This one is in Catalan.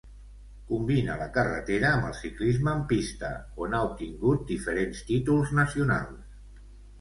Combina la carretera amb el ciclisme en pista on ha obtingut diferents títols nacionals.